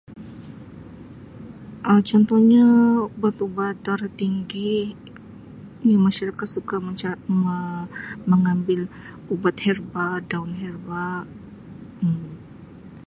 Um Contohnya, ubat-ubat darah tinggi [unintelligible] suka me-mengambil ubat herba, daun herba Um